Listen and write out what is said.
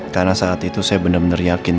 karena saat itu saya benar benar yakin